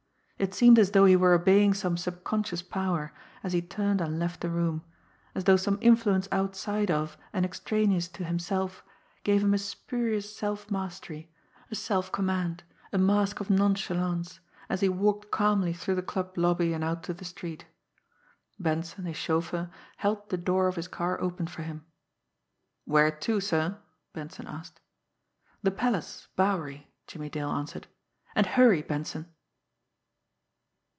It seemed as though he were obeying some subconscious power, as he turned and left the room; as though some influence outside of, and extraneous to, himself gave him a spurious self mastery, a self command, a mask of nonchalance, as he walked calmly through the club lobby and out to the street. Benson, his chauffeur, held the door of his car open for him. "Where to, sir?" Benson asked. "The Palace Bowery," Jimmie Dale answered. "And hurry, Benson!"